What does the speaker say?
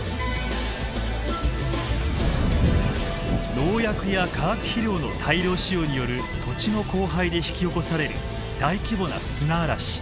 農薬や化学肥料の大量使用による土地の荒廃で引き起こされる大規模な砂嵐。